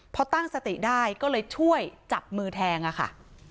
พอตั้งสติได้ก็เลยช่วยจับมือแทงอะค่ะ